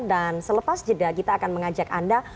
dan selepas jeda kita akan mengajak anda